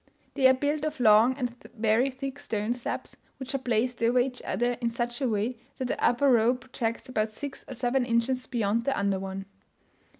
They are built of long and very thick stone slabs, which are placed over each other in such a way that the upper row projects about six or seven inches beyond the under one.